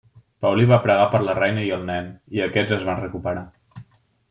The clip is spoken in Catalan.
Paulí va pregar per la reina i el nen, i aquests es van recuperar.